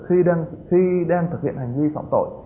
khi đang thực hiện hành vi phòng tội